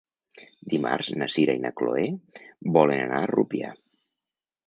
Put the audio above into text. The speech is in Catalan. Dimarts na Sira i na Chloé volen anar a Rupià.